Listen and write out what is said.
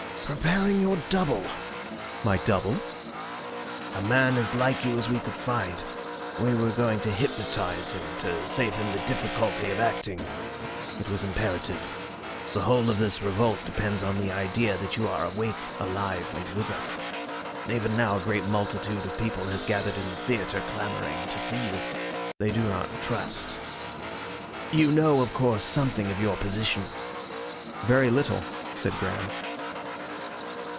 "Preparing your double." "My double?" "A man as like you as we could find. We were going to hypnotise him, to save him the difficulty of acting. It was imperative. The whole of this revolt depends on the idea that you are awake, alive, and with us. Even now a great multitude of people has gathered in the theatre clamouring to see you. They do not trust.... You know, of course something of your position?" "Very little," said Graham.